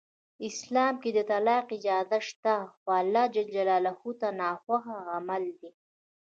اسلام کې د طلاق اجازه شته خو الله ج ته ناخوښ عمل دی.